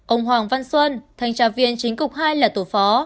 ông hoàng văn xuân thanh tra viên chính cục hai là tổ phó